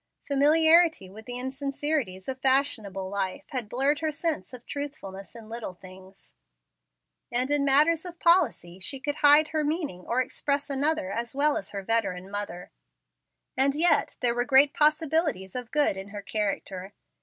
Familiarity with the insincerities of fashionable life had blurred her sense of truthfulness in little things, and in matters of policy she could hide her meaning or express another as well as her veteran mother. And yet there were great possibilities of good in her character.